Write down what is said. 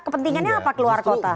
kepentingannya apa keluar kota